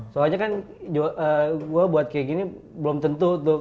soalnya kan gue buat kayak gini belum tentu tuh